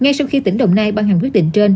ngay sau khi tỉnh đồng nai ban hành quyết định trên